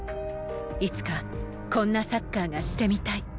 いつかこんなサッカーがしてみたい